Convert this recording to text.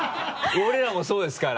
俺らもそうですから。